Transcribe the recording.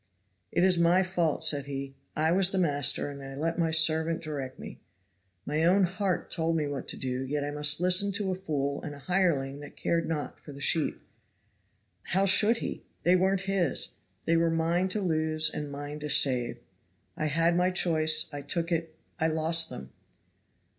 "It is my fault," said he, "I was the master, and I let my servant direct me. My own heart told me what to do, yet I must listen to a fool and a hireling that cared not for the sheep. How should he? they weren't his, they were mine to lose and mine to save. I had my choice, I took it, I lost them.